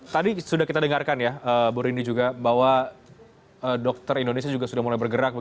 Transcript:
tadi sudah kita dengarkan ya bu rini juga bahwa dokter indonesia juga sudah mulai bergerak